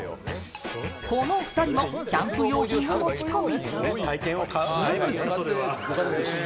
この２人もキャンプ用品を持ち込み。